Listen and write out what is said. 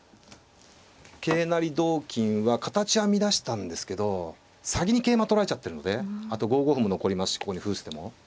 桂成り同金は形は乱したんですけど先に桂馬取られちゃってるのであと５五歩も残りますしここに歩打つ手も。